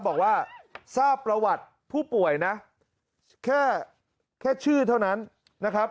บอกว่าทราบประวัติผู้ป่วยนะแค่ชื่อเท่านั้นนะครับ